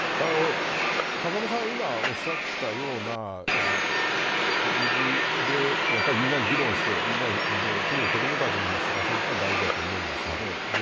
風間さんが今おっしゃったような感じでみんなで議論して特に子どもたちに知らせるのは大事だと思うんですよね。